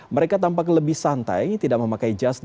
mereka tampak lebih santai tidak memakai jas dan hanya